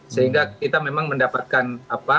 sehingga kita memang mendapatkan apa